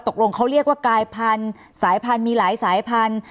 ตกลงเขาเรียกว่ากลายพันธุ์สายพันธุ์มีหลายสายพันธุ